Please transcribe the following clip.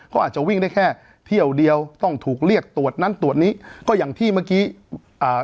เขาอาจจะวิ่งได้แค่เที่ยวเดียวต้องถูกเรียกตรวจนั้นตรวจนี้ก็อย่างที่เมื่อกี้อ่า